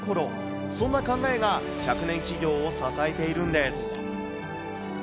そんな考えが１００年企業を支えているんです。